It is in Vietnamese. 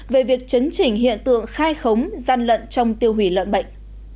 về việc chấn chỉnh hiện tượng khai khống gian lận trong tiêu hủy lợn bệnh